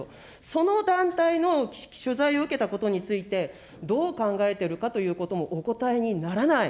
その団体の取材を受けたことについて、どう考えているかということもお答えにならない。